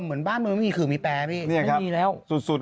เหมือนบ้านมันไม่มีคือมีแปลพี่นี่ครับมันมีแล้วสุด